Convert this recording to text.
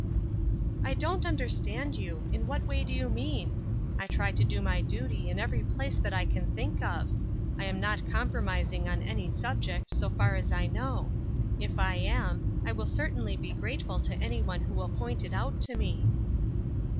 "I don't understand you; in what way do you mean? I try to do my duty in every place that I can think of. I am not compromising on any subject, so far as I know. If I am, I will certainly be grateful to anyone who will point it out to me."